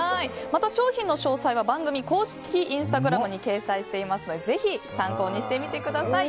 また、商品の詳細は番組公式インスタグラムに掲載していますので是非参考にしてみてください。